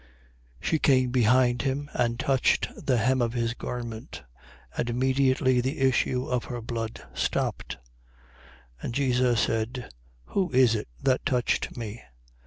8:44. She came behind him and touched the hem of his garment: and immediately the issue of her blood stopped. 8:45. And Jesus said: Who is it that touched me?